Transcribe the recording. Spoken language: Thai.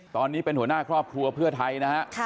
ตอนนี้เป็นหัวหน้าครอบครัวเพื่อไทยนะฮะ